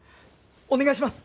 お願いします！